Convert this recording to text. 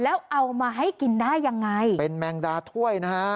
แล้วเอามาให้กินได้ยังไงเป็นแมงดาถ้วยนะฮะ